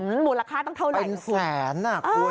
มันหมุนราคาตั้งเท่าไหร่เป็นแสนอ่ะคุณอ่า